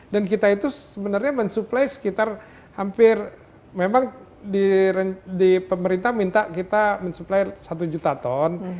dan kita itu sebenarnya mensuplai sekitar hampir memang di pemerintah minta kita mensuplai satu juta ton